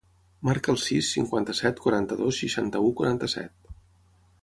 Marca el sis, cinquanta-set, quaranta-dos, seixanta-u, quaranta-set.